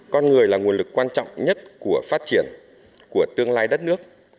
con người là nguồn lực quan trọng nhất của phát triển của tương lai đất nước